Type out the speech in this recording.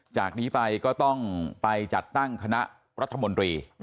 จากนี้ไปก็ต้องไปจัดตั้งคณะรัฐมนตรี